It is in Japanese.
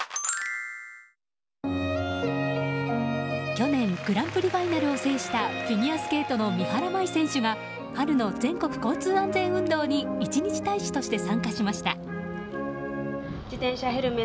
去年グランプリファイナルを制したフィギュアスケートの三原舞依選手が春の全国交通安全運動に１日大使として参加しました。